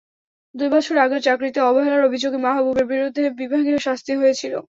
দুই বছর আগেও চাকরিতে অবহেলার অভিযোগে মাহবুবের বিরুদ্ধে বিভাগীয় শাস্তি হয়েছিল।